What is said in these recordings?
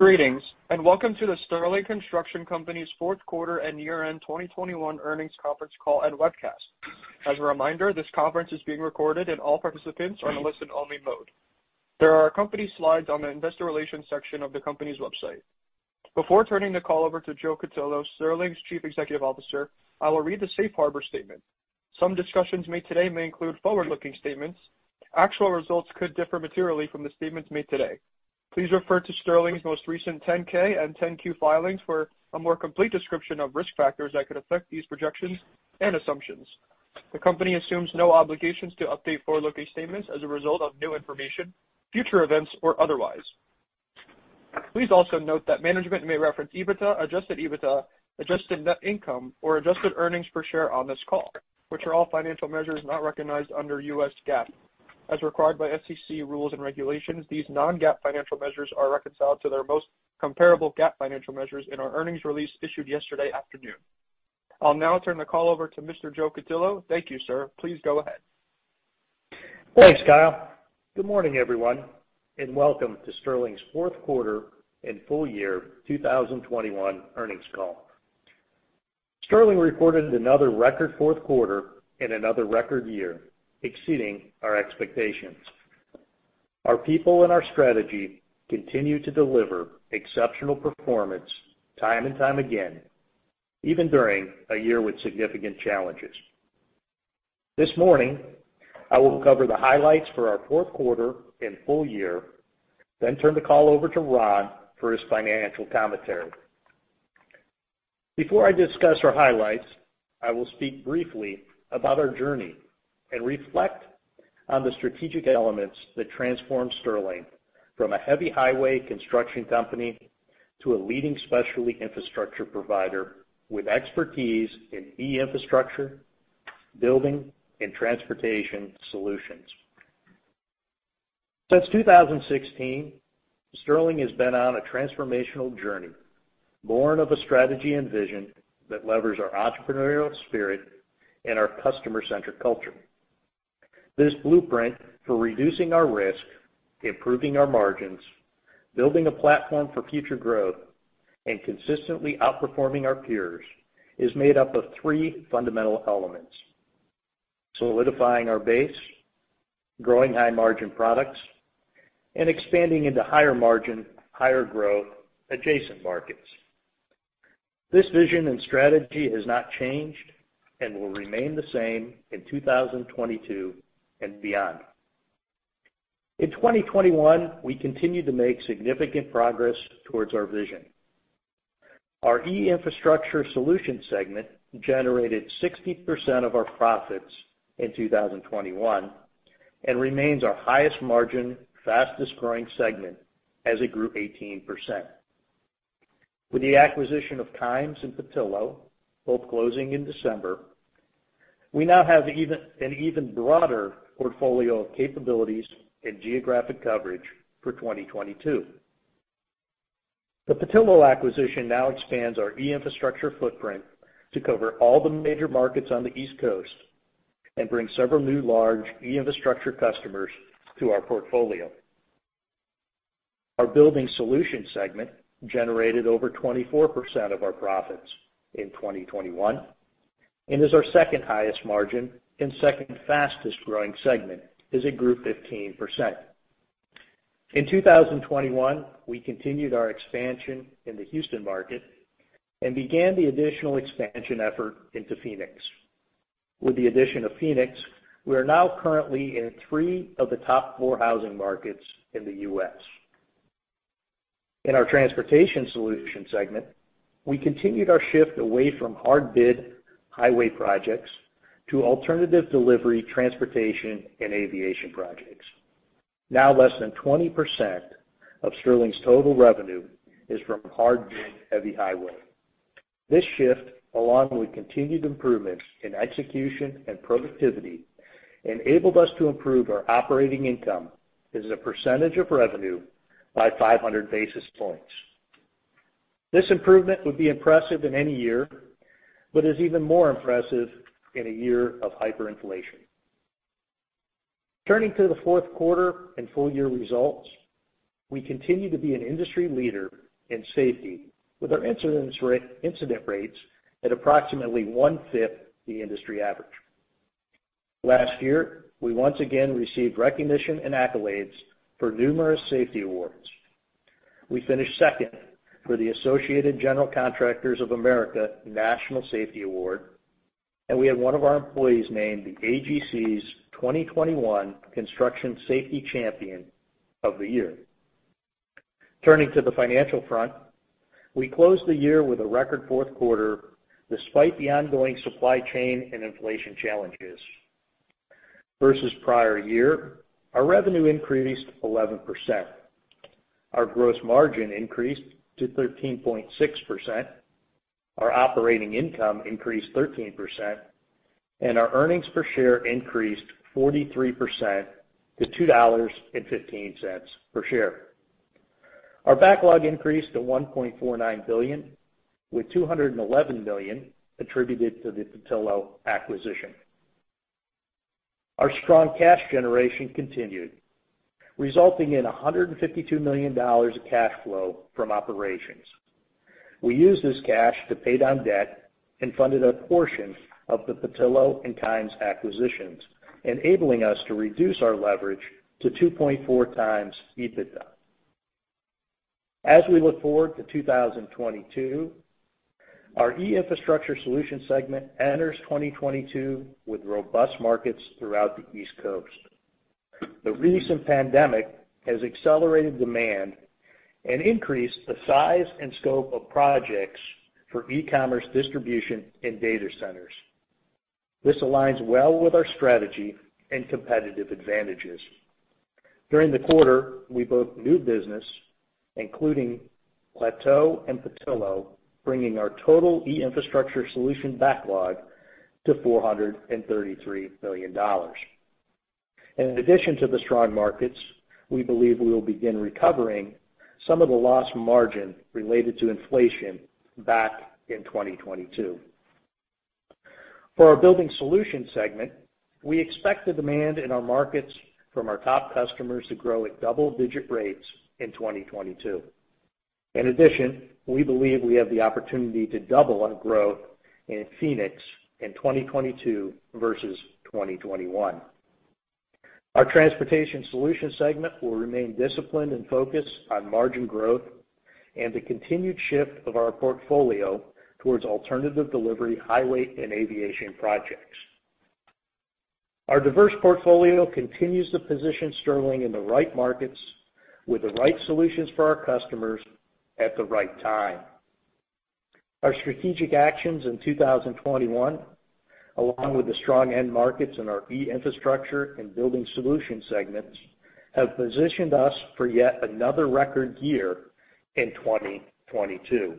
Greetings, and welcome to the Sterling Construction Company's Q4 and year-end 2021 earnings conference call and webcast. As a reminder, this conference is being recorded and all participants are in listen-only mode. There are company slides on the investor relations section of the company's website. Before turning the call over to Joe Cutillo, Sterling's Chief Executive Officer, I will read the safe harbor statement. Some discussions made today may include forward-looking statements. Actual results could differ materially from the statements made today. Please refer to Sterling's most recent 10-K and 10-Q filings for a more complete description of risk factors that could affect these projections and assumptions. The company assumes no obligations to update forward-looking statements as a result of new information, future events, or otherwise. Please also note that management may reference EBITDA, adjusted EBITDA, adjusted net income, or adjusted earnings per share on this call, which are all financial measures not recognized under U.S. GAAP. As required by SEC rules and regulations, these non-GAAP financial measures are reconciled to their most comparable GAAP financial measures in our earnings release issued yesterday afternoon. I'll now turn the call over to Mr. Joe Cutillo. Thank you, sir. Please go ahead. Thanks, Kyle. Good morning, everyone, and welcome to Sterling's Q4 and full year 2021 earnings call. Sterling reported another record Q4 and another record year, exceeding our expectations. Our people and our strategy continue to deliver exceptional performance time and time again, even during a year with significant challenges. This morning, I will cover the highlights for our Q4 and full year, then turn the call over to Ron for his financial commentary. Before I discuss our highlights, I will speak briefly about our journey and reflect on the strategic elements that transformed Sterling from a heavy highway construction company to a leading specialty infrastructure provider with expertise in E-Infrastructure, Building, and Transportation Solutions. Since 2016, Sterling has been on a transformational journey, born of a strategy and vision that levers our entrepreneurial spirit and our customer-centric culture. This blueprint for reducing our risk, improving our margins, building a platform for future growth, and consistently outperforming our peers is made up of three fundamental elements, solidifying our base, growing high-margin products, and expanding into higher margin, higher growth adjacent markets. This vision and strategy has not changed and will remain the same in 2022 and beyond. In 2021, we continued to make significant progress towards our vision. Our E-Infrastructure Solutions segment generated 60% of our profits in 2021 and remains our highest margin, fastest-growing segment as it grew 18%. With the acquisition of Kimes and Petillo, both closing in December, we now have an even broader portfolio of capabilities and geographic coverage for 2022. The Petillo acquisition now expands our E-Infrastructure footprint to cover all the major markets on the East Coast and bring several new large E-Infrastructure customers to our portfolio. Our Building Solutions segment generated over 24% of our profits in 2021 and is our second highest margin and second fastest-growing segment as it grew 15%. In 2021, we continued our expansion in the Houston market and began the additional expansion effort into Phoenix. With the addition of Phoenix, we are now currently in three of the top four housing markets in the U.S. In our Transportation Solutions segment, we continued our shift away from hard bid highway projects to alternative delivery, transportation, and aviation projects. Now less than 20% of Sterling's total revenue is from hard bid heavy highway. This shift, along with continued improvements in execution and productivity, enabled us to improve our operating income as a percentage of revenue by 500 basis points. This improvement would be impressive in any year, but is even more impressive in a year of hyperinflation. Turning to the Q4 and full year results, we continue to be an industry leader in safety with our incident rates at approximately one-fifth the industry average. Last year, we once again received recognition and accolades for numerous safety awards. We finished second for the Associated General Contractors of America National Safety Award, and we had one of our employees named the AGC's 2021 Construction Safety Champion of the Year. Turning to the financial front, we closed the year with a record Q4 despite the ongoing supply chain and inflation challenges. Versus prior year, our revenue increased 11%, our gross margin increased to 13.6%, our operating income increased 13%, and our earnings per share increased 43% to $2.15 per share. Our backlog increased to $1.49 billion, with $211 million attributed to the Petillo acquisition. Our strong cash generation continued, resulting in $152 million of cash flow from operations. We used this cash to pay down debt and funded a portion of the Petillo and Kimes acquisitions, enabling us to reduce our leverage to 2.4x EBITDA. As we look forward to 2022, our E-Infrastructure Solutions segment enters 2022 with robust markets throughout the East Coast. The recent pandemic has accelerated demand and increased the size and scope of projects for e-commerce distribution in data centers. This aligns well with our strategy and competitive advantages. During the quarter, we booked new business, including Plateau and Petillo, bringing our total E-Infrastructure Solutions backlog to $433 million. In addition to the strong markets, we believe we will begin recovering some of the lost margin related to inflation back in 2022. For our Building Solutions segment, we expect the demand in our markets from our top customers to grow at double-digit rates in 2022. In addition, we believe we have the opportunity to double on growth in Phoenix in 2022 versus 2021. Our Transportation Solutions segment will remain disciplined and focused on margin growth and the continued shift of our portfolio towards alternative delivery, highway, and aviation projects. Our diverse portfolio continues to position Sterling in the right markets with the right solutions for our customers at the right time. Our strategic actions in 2021, along with the strong end markets in our E-Infrastructure and Building Solutions segments, have positioned us for yet another record year in 2022.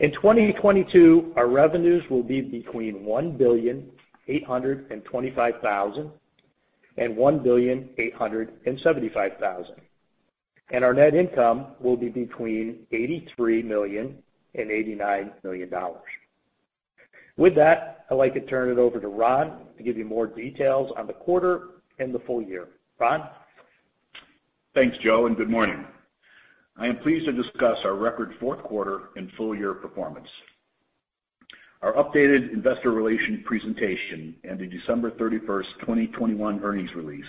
In 2022, our revenues will be between $1.825 billion and $1.875 billion. Our net income will be between $83 million and $89 million. With that, I'd like to turn it over to Ron to give you more details on the quarter and the full year. Ron? Thanks, Joe, and good morning. I am pleased to discuss our record Q4 and full year performance. Our updated investor relations presentation and the December 31, 2021 earnings release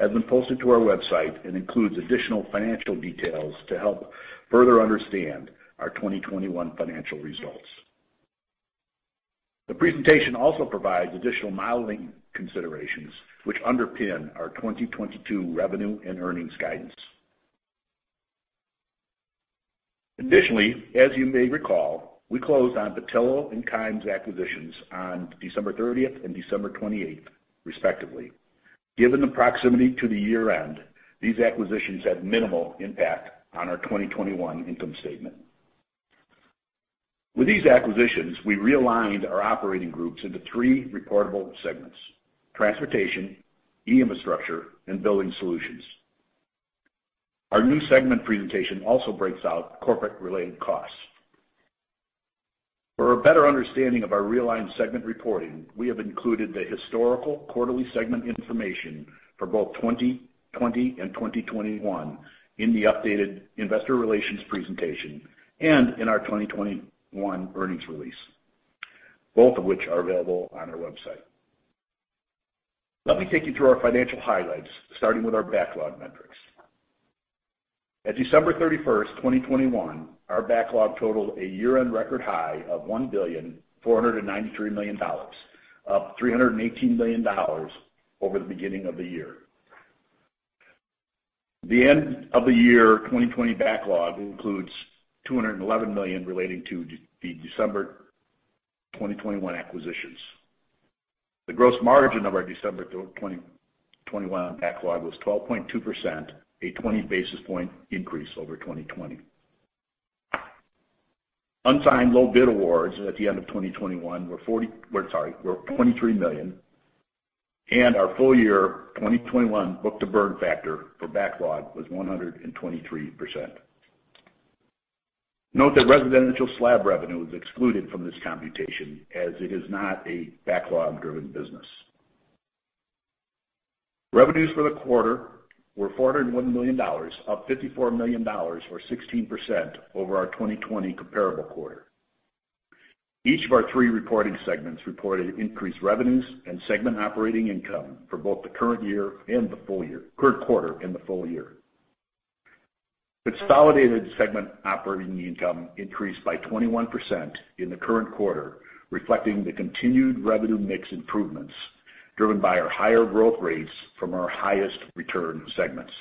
has been posted to our website and includes additional financial details to help further understand our 2021 financial results. The presentation also provides additional modeling considerations which underpin our 2022 revenue and earnings guidance. Additionally, as you may recall, we closed on Petillo and Kimes acquisitions on December 30 and December 28, respectively. Given the proximity to the year-end, these acquisitions had minimal impact on our 2021 income statement. With these acquisitions, we realigned our operating groups into three reportable segments: Transportation, E-Infrastructure, and Building Solutions. Our new segment presentation also breaks out corporate related costs. For a better understanding of our realigned segment reporting, we have included the historical quarterly segment information for both 2020 and 2021 in the updated investor relations presentation and in our 2021 earnings release, both of which are available on our website. Let me take you through our financial highlights, starting with our backlog metrics. At December 31, 2021, our backlog totaled a year-end record high of $1.493 billion, up $318 million over the beginning of the year. The end-of-year 2020 backlog includes $211 million relating to December 2021 acquisitions. The gross margin of our December 2021 backlog was 12.2%, a 20 basis point increase over 2020. Unsigned low bid awards at the end of 2021 were $23 million, and our full year 2021 book-to-burn factor for backlog was 123%. Note that residential slab revenue is excluded from this computation as it is not a backlog driven business. Revenues for the quarter were $401 million, up $54 million or 16% over our 2020 comparable quarter. Each of our three reporting segments reported increased revenues and segment operating income for both the current quarter and the full year. Consolidated segment operating income increased by 21% in the current quarter, reflecting the continued revenue mix improvements driven by our higher growth rates from our highest return segments.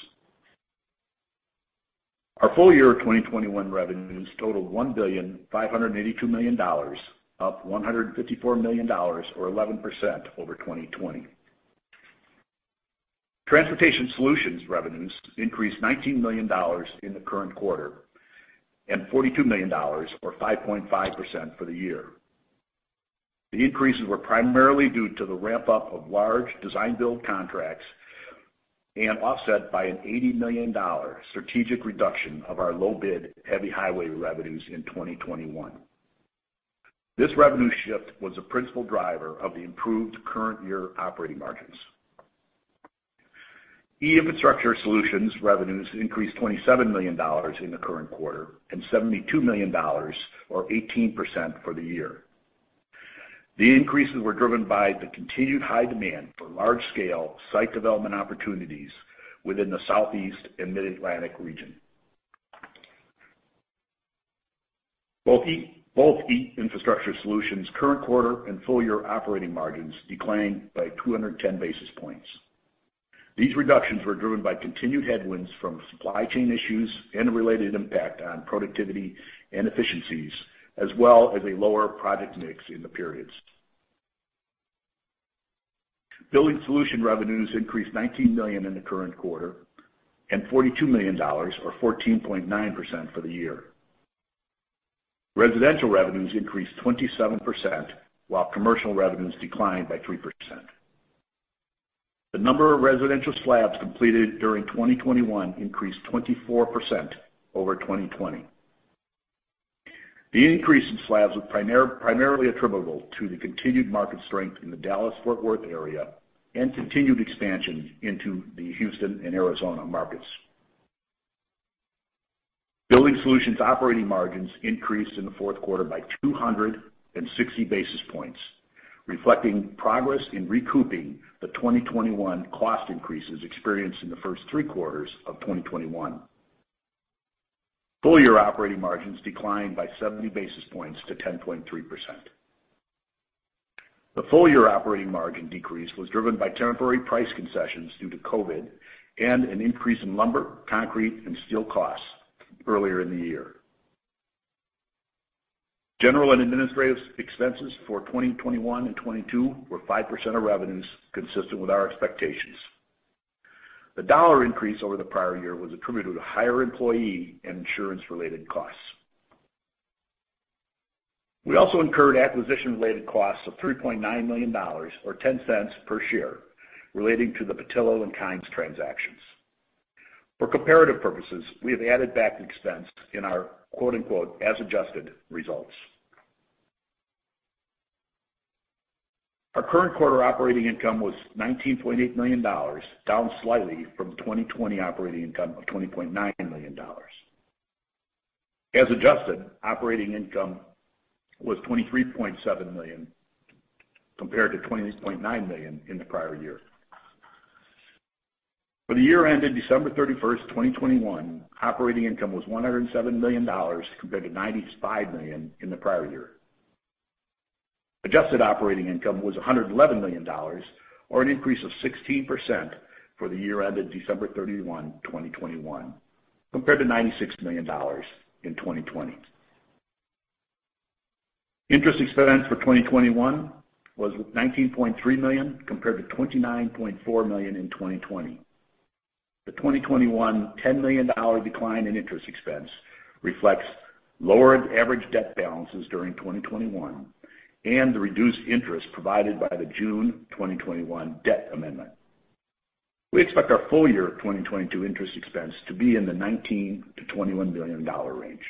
Our full year 2021 revenues totaled $1.582 billion, up $154 million or 11% over 2020. Transportation Solutions revenues increased $19 million in the current quarter and $42 million or 5.5% for the year. The increases were primarily due to the ramp up of large design-build contracts and offset by an $80 million strategic reduction of our low-bid heavy highway revenues in 2021. This revenue shift was a principal driver of the improved current year operating margins. E-Infrastructure Solutions revenues increased $27 million in the current quarter, and $72 million or 18% for the year. The increases were driven by the continued high demand for large-scale site development opportunities within the Southeast and Mid-Atlantic region. Both E-Infrastructure Solutions' current quarter and full year operating margins declined by 210 basis points. These reductions were driven by continued headwinds from supply chain issues and the related impact on productivity and efficiencies, as well as a lower project mix in the periods. Building Solutions revenues increased $19 million in the current quarter and $42 million or 14.9% for the year. Residential revenues increased 27%, while commercial revenues declined by 3%. The number of residential slabs completed during 2021 increased 24% over 2020. The increase in slabs was primarily attributable to the continued market strength in the Dallas-Fort Worth area and continued expansion into the Houston and Arizona markets. Building Solutions operating margins increased in the Q4 by 260 basis points, reflecting progress in recouping the 2021 cost increases experienced in the first three quarters of 2021. Full year operating margins declined by 70 basis points to 10.3%. The full year operating margin decrease was driven by temporary price concessions due to COVID and an increase in lumber, concrete, and steel costs earlier in the year. General and administrative expenses for 2021 and 2022 were 5% of revenues consistent with our expectations. The dollar increase over the prior year was attributed to higher employee and insurance-related costs. We also incurred acquisition-related costs of $3.9 million, or $0.10 per share, relating to the Petillo and Kimes transactions. For comparative purposes, we have added back expense in our "as adjusted" results. Our current quarter operating income was $19.8 million, down slightly from 2020 operating income of $20.9 million. As adjusted, operating income was $23.7 million compared to $20.9 million in the prior year. For the year ended December 31, 2021, operating income was $107 million compared to $95 million in the prior year. Adjusted operating income was $111 million, or an increase of 16% for the year ended December 31, 2021, compared to $96 million in 2020. Interest expense for 2021 was $19.3 million compared to $29.4 million in 2020. The 2021 $10 million decline in interest expense reflects lower average debt balances during 2021 and the reduced interest provided by the June 2021 debt amendment. We expect our full year of 2022 interest expense to be in the $19 billion-$21 billion range.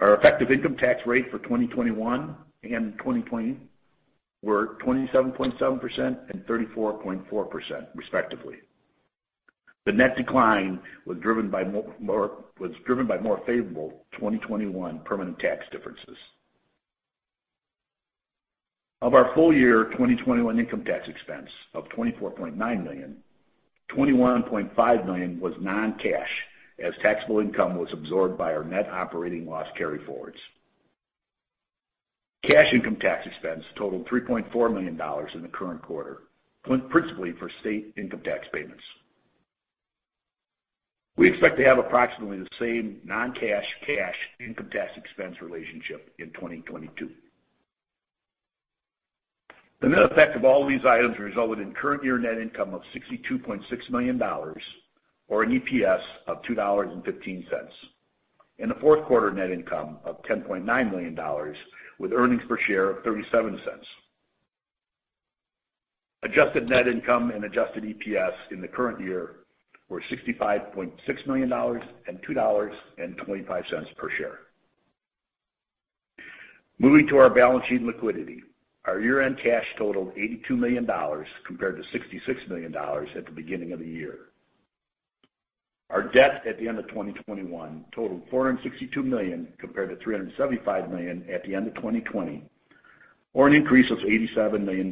Our effective income tax rate for 2021 and 2020 were 27.7% and 34.4%, respectively. The net decline was driven by more favorable 2021 permanent tax differences. Of our full year 2021 income tax expense of $24.9 million, $21.5 million was non-cash as taxable income was absorbed by our net operating loss carryforwards. Cash income tax expense totaled $3.4 million in the current quarter, principally for state income tax payments. We expect to have approximately the same non-cash cash income tax expense relationship in 2022. The net effect of all these items resulted in current year net income of $62.6 million, or an EPS of $2.15, and a Q4 net income of $10.9 million, with earnings per share of $0.37. Adjusted net income and adjusted EPS in the current year were $65.6 million and $2.25 per share. Moving to our balance sheet liquidity. Our year-end cash totaled $82 million compared to $66 million at the beginning of the year. Our debt at the end of 2021 totaled $462 million compared to $375 million at the end of 2020, or an increase of $87 million.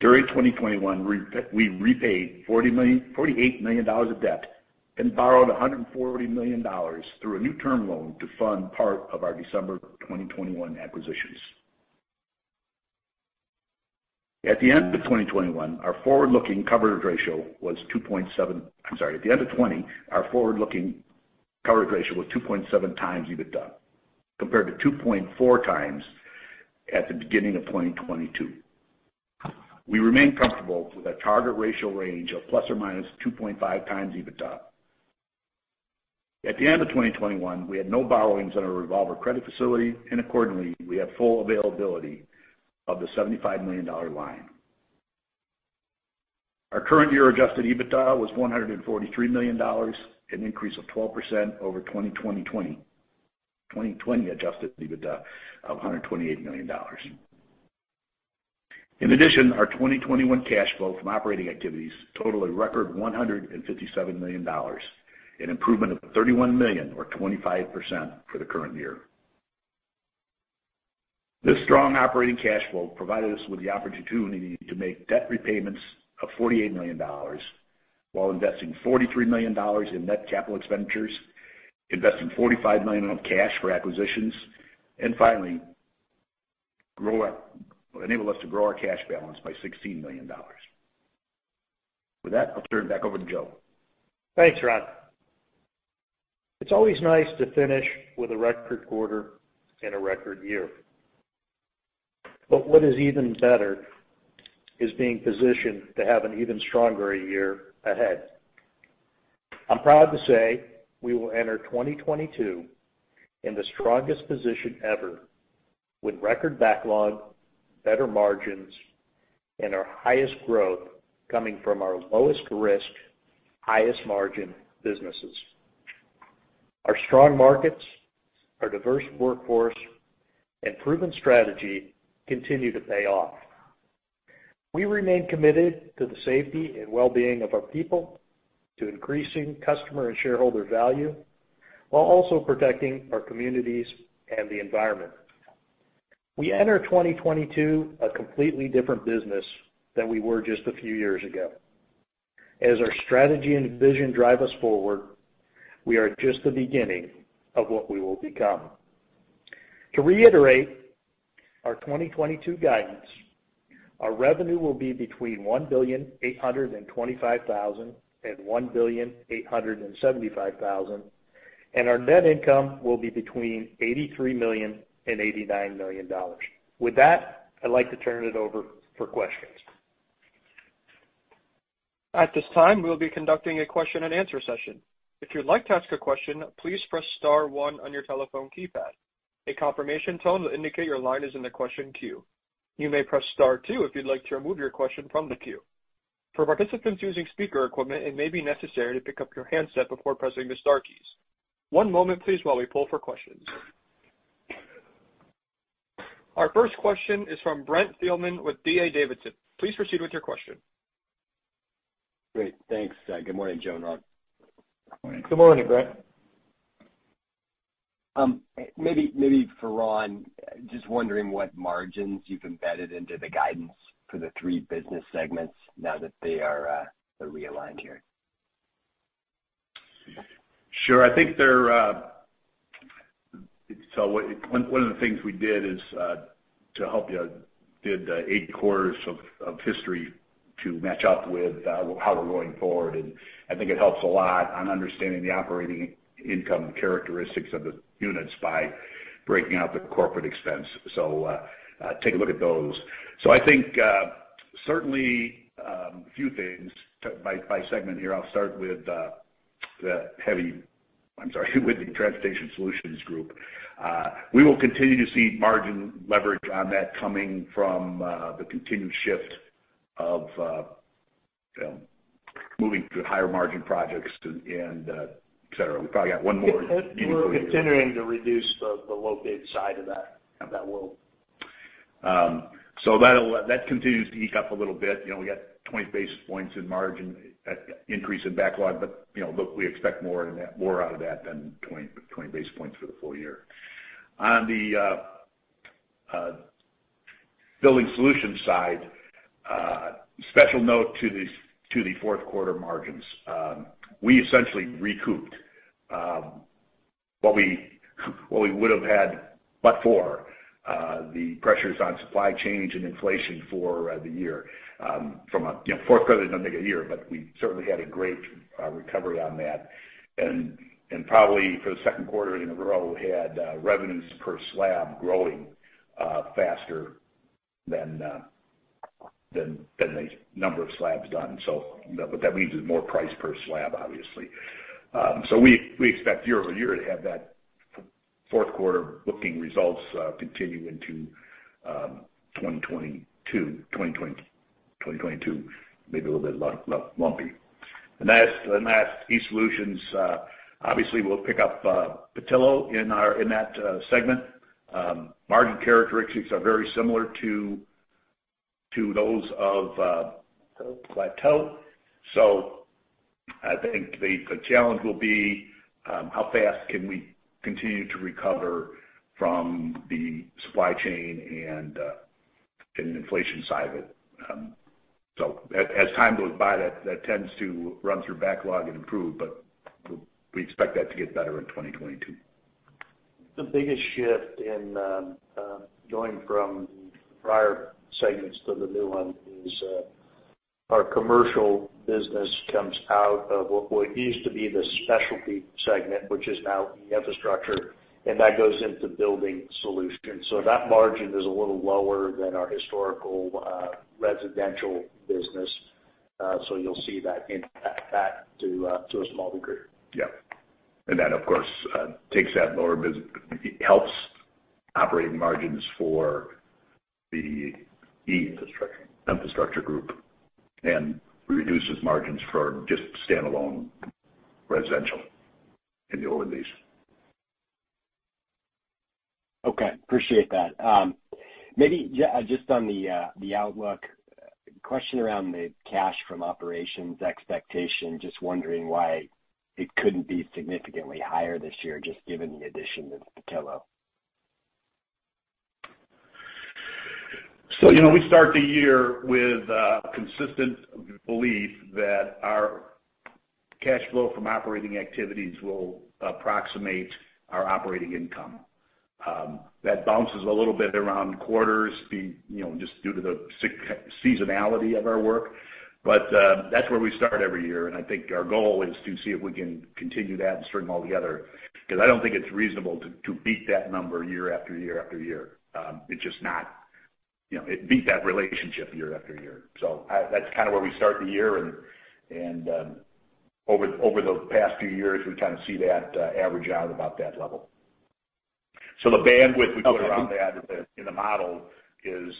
During 2021, we repaid $48 million of debt and borrowed $140 million through a new term loan to fund part of our December 2021 acquisitions. At the end of 2020, our forward-looking coverage ratio was 2.7x EBITDA, compared to 2.4x at the beginning of 2022. We remain comfortable with a target ratio range of ±2x EBITDA. At the end of 2021, we had no borrowings on our revolver credit facility, and accordingly, we have full availability of the $75 million line. Our current year adjusted EBITDA was $143 million, an increase of 12% over 2020. 2020 adjusted EBITDA of $128 million. In addition, our 2021 cash flow from operating activities totaled a record $157 million, an improvement of $31 million or 25% for the current year. This strong operating cash flow provided us with the opportunity to make debt repayments of $48 million while investing $43 million in net capital expenditures, investing $45 million of cash for acquisitions, and finally, enable us to grow our cash balance by $16 million. With that, I'll turn it back over to Joe. Thanks, Ron. It's always nice to finish with a record quarter and a record year. What is even better is being positioned to have an even stronger year ahead. I'm proud to say we will enter 2022 in the strongest position ever with record backlog, better margins, and our highest growth coming from our lowest risk, highest margin businesses. Our strong markets, our diverse workforce, and proven strategy continue to pay off. We remain committed to the safety and well-being of our people, to increasing customer and shareholder value, while also protecting our communities and the environment. We enter 2022 a completely different business than we were just a few years ago. As our strategy and vision drive us forward, we are at just the beginning of what we will become. To reiterate our 2022 guidance, our revenue will be between $1.825 billion and $1.875 billion, and our net income will be between $83 million and $89 million. With that, I'd like to turn it over for questions. At this time, we'll be conducting a question and answer session. If you'd like to ask a question, please press star one on your telephone keypad. A confirmation tone will indicate your line is in the question queue. You may press star two if you'd like to remove your question from the queue. For participants using speaker equipment, it may be necessary to pick up your handset before pressing the star keys. One moment, please, while we poll for questions. Our first question is from Brent Thielman with D.A. Davidson. Please proceed with your question. Great. Thanks. Good morning, Joe and Ron. Good morning. Good morning, Brent. Maybe for Ron, just wondering what margins you've embedded into the guidance for the three business segments now that they are, they're realigned here. Sure. I think there. One of the things we did is to help you, we did the eight quarters of history to match up with how we're going forward. I think it helps a lot on understanding the operating income characteristics of the units by breaking out the corporate expense. Take a look at those. I think certainly a few things by segment here. I'll start with the Transportation Solutions group. We will continue to see margin leverage on that coming from the continued shift to, you know, moving to higher margin projects and et cetera. We probably got one more. We're continuing to reduce the low bid side of that world. That continues to tick up a little bit. You know, we got 20 basis points in margin expansion in backlog, but you know, look, we expect more than that, more out of that than 20 basis points for the full year. On the Building Solutions side, special note to the Q4 margins. We essentially recouped what we would have had but for the pressures on supply chains and inflation for the year. You know, a Q4 doesn't make a year, but we certainly had a great recovery on that. Probably for the Q2 in a row, we had revenues per slab growing faster than the number of slabs done. What that means is more price per slab, obviously. We expect year-over-year to have that Q4 booking results continue into 2022, maybe a little bit lumpy. Last, E-Infrastructure Solutions obviously we'll pick up Petillo in that segment. Margin characteristics are very similar to those of- Plateau. I think the challenge will be how fast can we continue to recover from the supply chain and inflation side of it. As time goes by, that tends to run through backlog and improve, but we expect that to get better in 2022. The biggest shift in going from prior segments to the new one is our commercial business comes out of what used to be the specialty segment, which is now E-Infrastructure, and that goes into Building Solutions. That margin is a little lower than our historical residential business. You'll see that impact to a small degree. Yeah. That, of course, helps operating margins for the E- Infrastructure. Infrastructure group and reduces margins for just standalone residential in the overall. Okay. Appreciate that. Maybe just on the outlook question around the cash from operations expectation. Just wondering why it couldn't be significantly higher this year, just given the addition of Petillo. You know, we start the year with a consistent belief that our cash flow from operating activities will approximate our operating income. That bounces a little bit around quarters you know, just due to the seasonality of our work. That's where we start every year. I think our goal is to see if we can continue that and string them all together, because I don't think it's reasonable to beat that number year after year after year. It's just not. You know, it beat that relationship year after year. That's kind of where we start the year. Over the past few years, we kind of see that average out about that level. The bandwidth we put around that in the model is,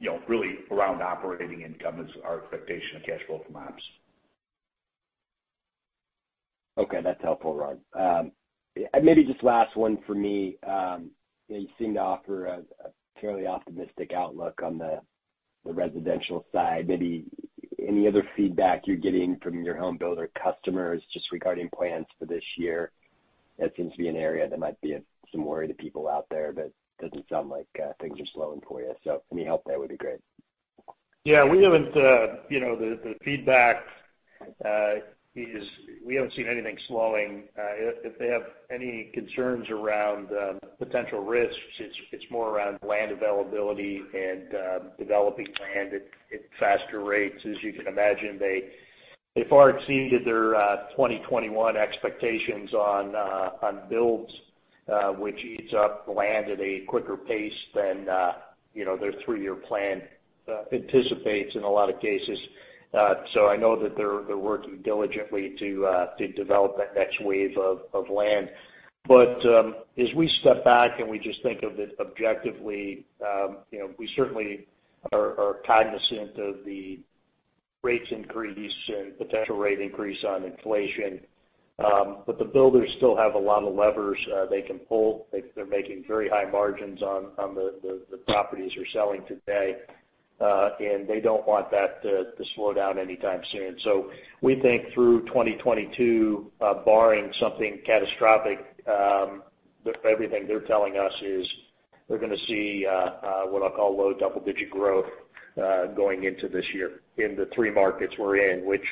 you know, really around operating income is our expectation of cash flow from ops. Okay, that's helpful, Ron. Maybe just last one for me. You seem to offer a fairly optimistic outlook on the residential side. Maybe any other feedback you're getting from your home builder customers just regarding plans for this year? That seems to be an area that might be of some worry to people out there, but doesn't sound like things are slowing for you. Any help there would be great. Yeah. We haven't. The feedback is we haven't seen anything slowing. If they have any concerns around potential risks, it's more around land availability and developing land at faster rates. As you can imagine, they far exceeded their 2021 expectations on builds, which eats up land at a quicker pace than their three-year plan anticipates in a lot of cases. So I know that they're working diligently to develop that next wave of land. As we step back and we just think of it objectively, you know, we certainly are cognizant of the rates increase and potential rate increase on inflation. The builders still have a lot of levers they can pull. They're making very high margins on the properties they're selling today, and they don't want that to slow down anytime soon. We think through 2022, barring something catastrophic, everything they're telling us is they're gonna see what I'll call low double-digit growth going into this year in the three markets we're in, which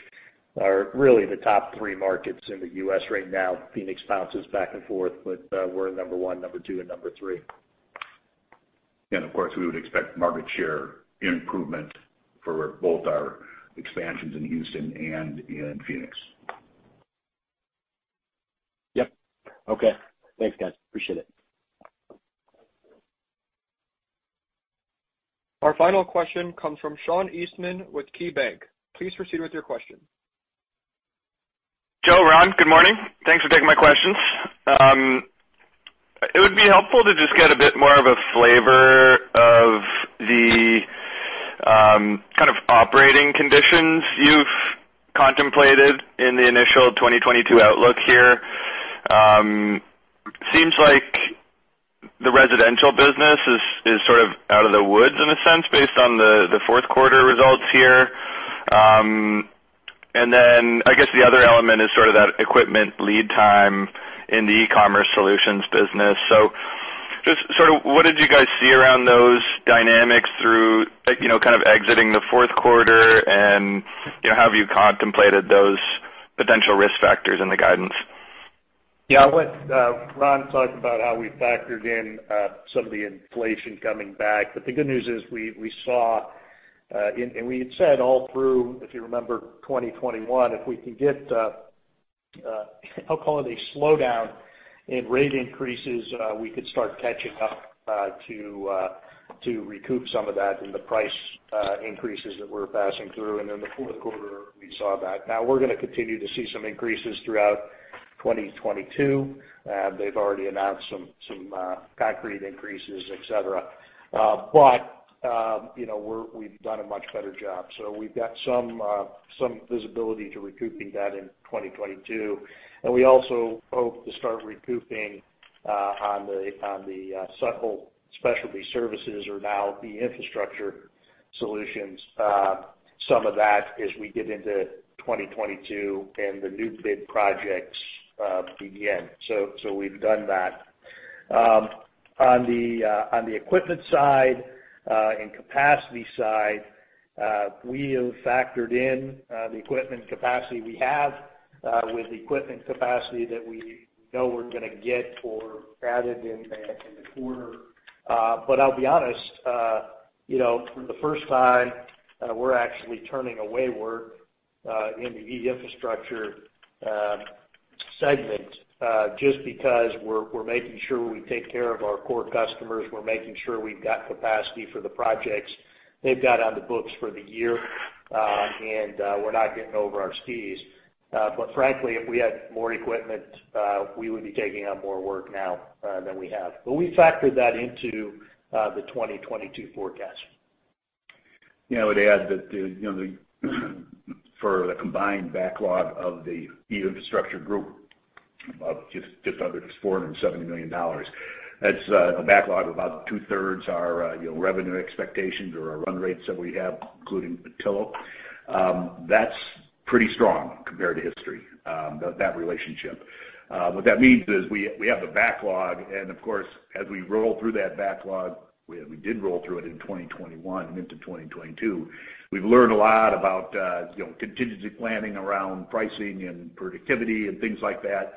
are really the top three markets in the U.S. right now. Phoenix bounces back and forth, but we're number one, number two, and number three. Of course, we would expect market share improvement for both our expansions in Houston and in Phoenix. Yep. Okay. Thanks, guys. Appreciate it. Our final question comes from Sean Eastman with KeyBanc. Please proceed with your question. Joe, Ron, good morning. Thanks for taking my questions. It would be helpful to just get a bit more of a flavor of the kind of operating conditions you've contemplated in the initial 2022 outlook here. Seems like the residential business is sort of out of the woods in a sense, based on the Q4 results here. I guess the other element is sort of that equipment lead time in the E-Infrastructure Solutions business. Just sort of what did you guys see around those dynamics through, you know, kind of exiting the Q4 and, you know, have you contemplated those potential risk factors in the guidance? Yeah. What Ron talked about how we factored in some of the inflation coming back. The good news is we saw and we had said all through, if you remember, 2021, if we can get I'll call it a slowdown in rate increases, we could start catching up to recoup some of that in the price increases that we're passing through. In the Q4, we saw that. Now we're gonna continue to see some increases throughout 2022. They've already announced some concrete increases, et cetera. You know, we've done a much better job. We've got some visibility to recouping that in 2022. We also hope to start recouping on the Subtle Specialty Services or now the E-Infrastructure Solutions some of that as we get into 2022 and the new bid projects begin. We've done that. On the equipment side and capacity side we have factored in the equipment capacity we have with the equipment capacity that we know we're gonna get added in the quarter. But I'll be honest you know for the first time we're actually turning away work in the E-Infrastructure segment just because we're making sure we take care of our core customers. We're making sure we've got capacity for the projects they've got on the books for the year and we're not getting over our skis. Frankly, if we had more equipment, we would be taking on more work now than we have. We factored that into the 2022 forecast. Yeah, I would add that, you know, for the combined backlog of the E-Infrastructure group of just under $470 million, that's a backlog of about two-thirds our, you know, revenue expectations or our run rates that we have, including Petillo. That's pretty strong compared to history, that relationship. What that means is we have the backlog, and of course, as we roll through that backlog, we did roll through it in 2021 and into 2022. We've learned a lot about, you know, contingency planning around pricing and productivity and things like that.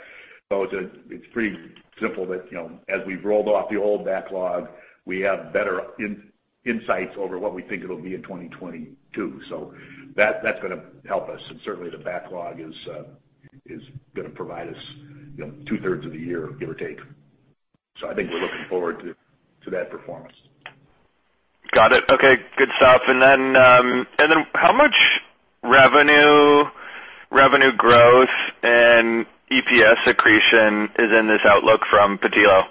It's pretty simple that, you know, as we've rolled off the old backlog, we have better insights over what we think it'll be in 2022. That's gonna help us. Certainly, the backlog is gonna provide us, you know, two-thirds of the year, give or take. I think we're looking forward to that performance. Got it. Okay, good stuff. How much revenue growth and EPS accretion is in this outlook from Petillo?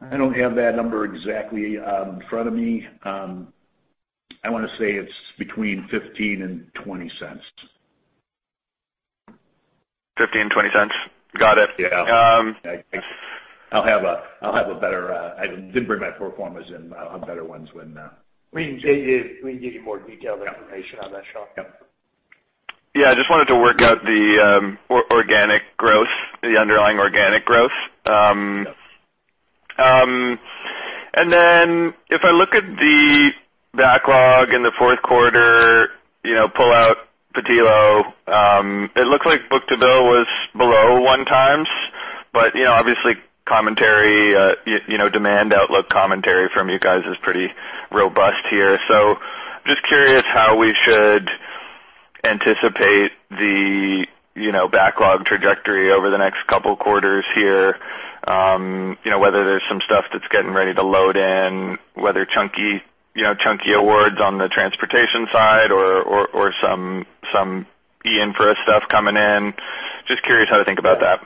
I don't have that number exactly, in front of me. I wanna say it's between $0.15 and $0.20. $0.15 and $0.20. Got it. Yeah. Um- I'll have a better. I didn't bring my pro formas in, but I'll have better ones when We can give you more detailed information on that, Sean. Yep. Yeah. I just wanted to work out the organic growth, the underlying organic growth. Yes. If I look at the backlog in the Q4, you know, pull out Petillo, it looks like book-to-bill was below 1x. You know, obviously commentary, you know, demand outlook commentary from you guys is pretty robust here. Just curious how we should anticipate the, you know, backlog trajectory over the next couple quarters here. You know, whether there's some stuff that's getting ready to load in, whether chunky awards on the transportation side or some E-Infrastructure stuff coming in. Just curious how to think about that.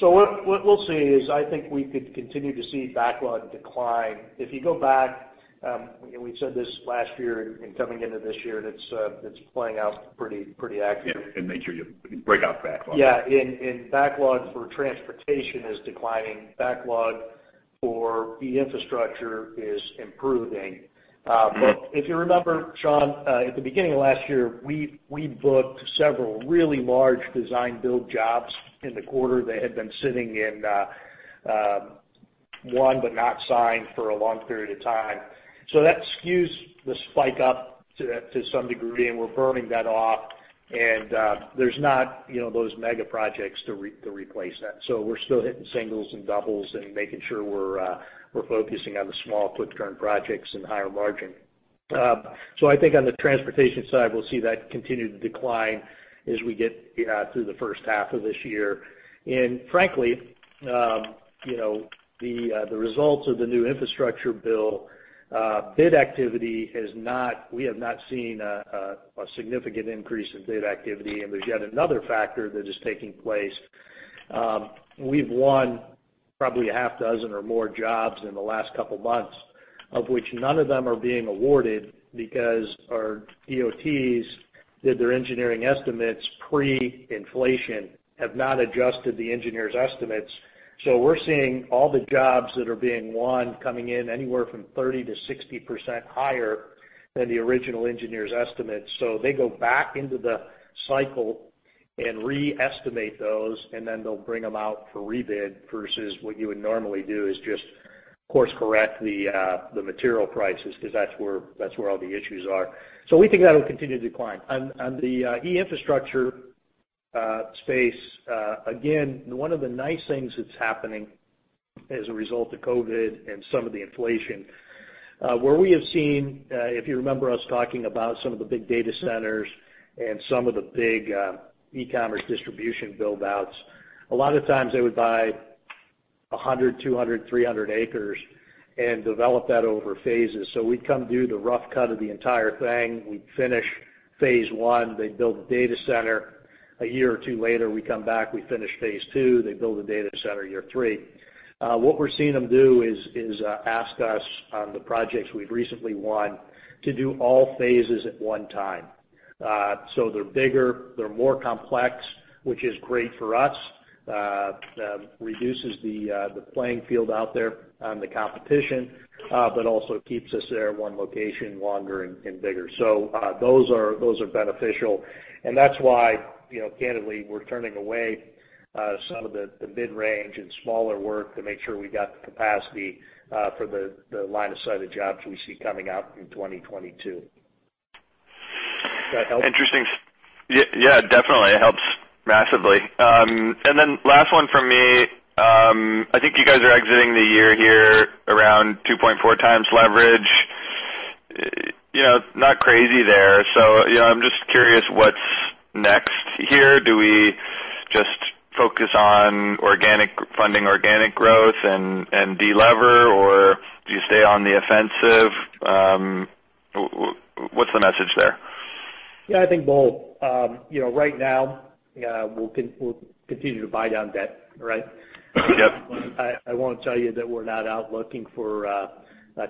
What we'll see is, I think we could continue to see backlog decline. If you go back, and we said this last year and coming into this year, and it's playing out pretty accurate. Yeah. Make sure you break out the backlog. Yeah. Backlog for Transportation is declining. Backlog for E-Infrastructure is improving. If you remember, Sean, at the beginning of last year, we booked several really large design-build jobs in the quarter that had been sitting in won but not signed for a long period of time. That skews the spike up to some degree, and we're burning that off. There's not, you know, those mega projects to replace that. We're still hitting singles and doubles and making sure we're focusing on the small quick-turn projects and higher margin. I think on the Transportation side, we'll see that continued decline as we get through the first half of this year. Frankly, you know, the results of the new infrastructure bill, we have not seen a significant increase in bid activity, and there's yet another factor that is taking place. We've won probably a half dozen or more jobs in the last couple months, of which none of them are being awarded because our DOTs did their engineering estimates pre-inflation, have not adjusted the engineer's estimates. We're seeing all the jobs that are being won coming in anywhere from 30%-60% higher than the original engineer's estimate. They go back into the cycle and re-estimate those, and then they'll bring them out for rebid versus what you would normally do is just course correct the material prices because that's where all the issues are. We think that'll continue to decline. In the E-Infrastructure space, again, one of the nice things that's happening as a result of COVID and some of the inflation, where we have seen, if you remember us talking about some of the big data centers and some of the big e-commerce distribution build outs, a lot of times they would buy 100 ac, 200 ac, 300 ac and develop that over phases. We'd come do the rough cut of the entire thing. We'd finish phase I. They'd build the data center. A year or two later, we come back, we finish phase II. They build the data center year three. What we're seeing them do is ask us on the projects we've recently won to do all phases at one time. They're bigger, they're more complex, which is great for us reduces the playing field out there on the competition, but also keeps us there at one location longer and bigger. Those are beneficial. That's why, you know, candidly, we're turning away some of the mid-range and smaller work to make sure we got the capacity for the line of sight of jobs we see coming out in 2022. Does that help? Interesting. Yeah, definitely. It helps massively. Last one from me. I think you guys are exiting the year here around 2.4x leverage. You know, not crazy there. You know, I'm just curious what's next here. Do we just focus on funding organic growth and delever? Or do you stay on the offensive? What's the message there? Yeah, I think both. You know, right now, we'll continue to buy down debt, right? Yep. I won't tell you that we're not out looking for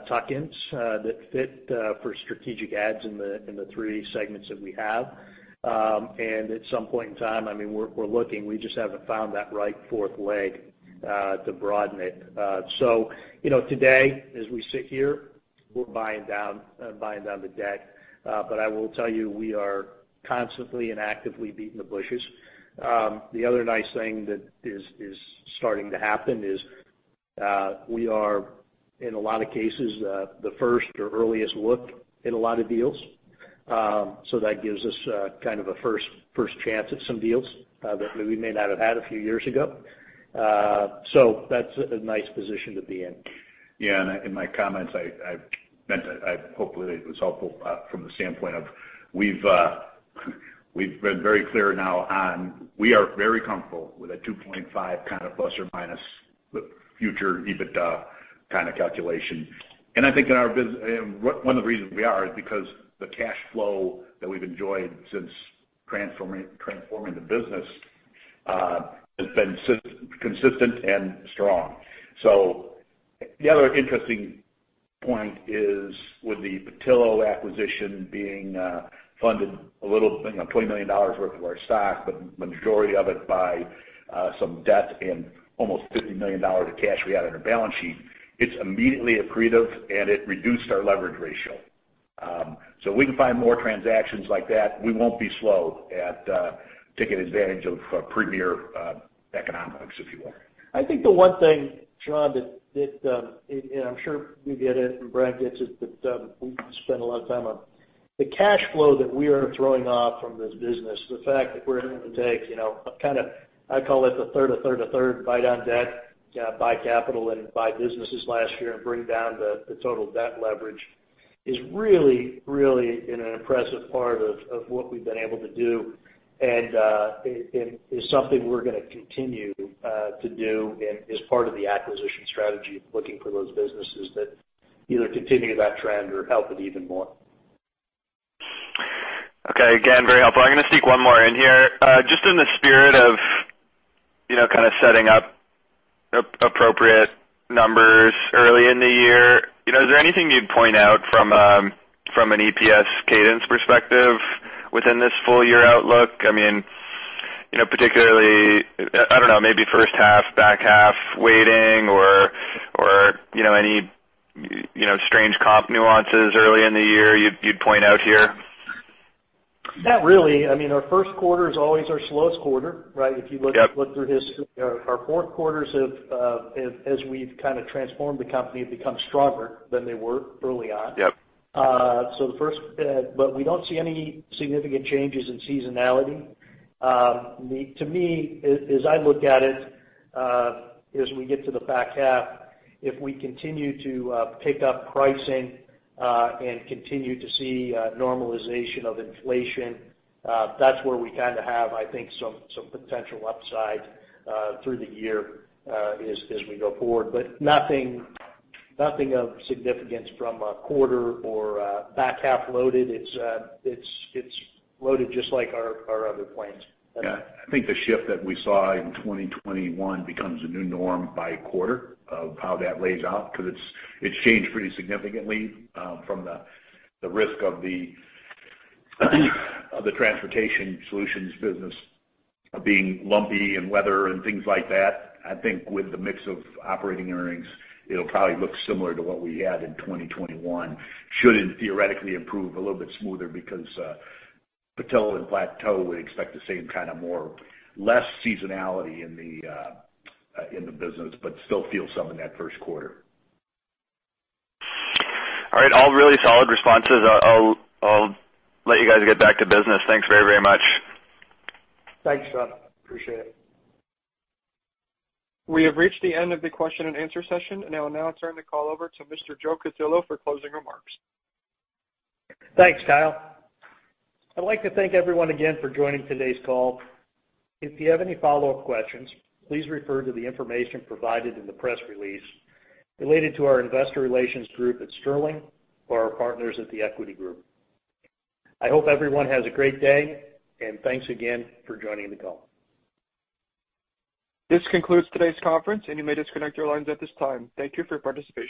tuck-ins that fit for strategic adds in the three segments that we have. At some point in time, I mean, we're looking. We just haven't found that right fourth leg to broaden it. You know, today, as we sit here, we're buying down the debt. But I will tell you, we are constantly and actively beating the bushes. The other nice thing that is starting to happen is we are, in a lot of cases, the first or earliest look in a lot of deals. That gives us kind of a first chance at some deals that we may not have had a few years ago. That's a nice position to be in. Yeah. In my comments, I meant it. I hope it was helpful from the standpoint of we've been very clear now on we are very comfortable with a 2.5 kind of plus or minus future EBITDA kind of calculation. I think one of the reasons we are is because the cash flow that we've enjoyed since transforming the business has been consistent and strong. The other interesting point is with the Petillo acquisition being funded a little, you know, $20 million worth of our stock, but majority of it by some debt and almost $50 million of cash we had on our balance sheet, it's immediately accretive, and it reduced our leverage ratio. We can find more transactions like that. We won't be slow at taking advantage of premier economics, if you will. I think the one thing, John, that and I'm sure you get it, and Brad gets it, that we spend a lot of time on. The cash flow that we are throwing off from this business, the fact that we're able to take, you know, kind of I call it a third bite on debt, buy capital and buy businesses last year and bring down the total debt leverage is really an impressive part of what we've been able to do. It is something we're gonna continue to do and is part of the acquisition strategy, looking for those businesses that either continue that trend or help it even more. Okay. Again, very helpful. I'm gonna sneak one more in here. Just in the spirit of, you know, kinda setting up appropriate numbers early in the year, you know, is there anything you'd point out from an EPS cadence perspective within this full year outlook? I mean, you know, particularly, I don't know, maybe first half, back half weighting or, you know, any, you know, strange comp nuances early in the year you'd point out here. Not really. I mean, our Q1 is always our slowest quarter, right? Yep. If you look through history, our Q4 have, as we've kind of transformed the company, have become stronger than they were early on. Yep. We don't see any significant changes in seasonality. To me, as I look at it, as we get to the back half, if we continue to pick up pricing, and continue to see normalization of inflation, that's where we kinda have, I think, some potential upside, through the year, as we go forward. Nothing of significance from a quarter or back half loaded. It's loaded just like our other plans. Yeah. I think the shift that we saw in 2021 becomes a new norm by quarter of how that lays out, because it's changed pretty significantly from the risk of the Transportation Solutions business being lumpy and weather and things like that. I think with the mix of operating earnings, it'll probably look similar to what we had in 2021. It should theoretically improve a little bit smoother because Petillo and Plateau would expect the same kind of less seasonality in the business, but still feel some in that Q1. All right. All really solid responses. I'll let you guys get back to business. Thanks very, very much. Thanks, Sean. Appreciate it. We have reached the end of the question and answer session. I will now turn the call over to Mr. Joe Cutillo for closing remarks. Thanks, Kyle. I'd like to thank everyone again for joining today's call. If you have any follow-up questions, please refer to the information provided in the press release related to our investor relations group at Sterling or our partners at the Equity Group. I hope everyone has a great day, and thanks again for joining the call. This concludes today's conference, and you may disconnect your lines at this time. Thank you for participating.